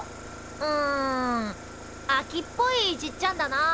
んあきっぽいじっちゃんだな。